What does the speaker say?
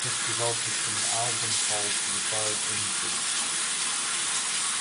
This resulted in the album called "The Bird in The Bush".